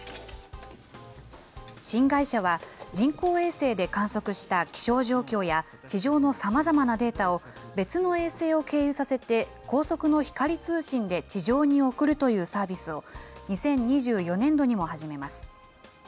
新会社は、人工衛星で観測した気象状況や地上のさまざまなデータを、別の衛星を経由させて、高速の光通信で地上に送るというサービスを、２０２４年度にも始めます。